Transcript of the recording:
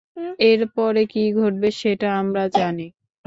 এরপরে কী ঘটবে সেটা আমরা জানি!